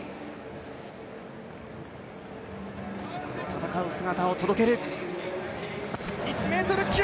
戦う姿を届ける。